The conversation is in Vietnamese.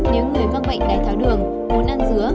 nếu người mắc bệnh đai tháo đường muốn ăn dứa